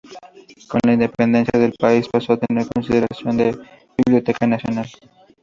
Con la independencia del país pasó a tener consideración de biblioteca nacional.